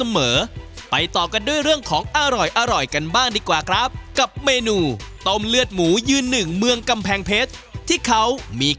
มันคืออะไร